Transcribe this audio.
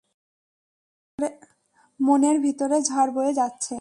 মনের ভিতরে ঝড় বয়ে যাচ্ছে।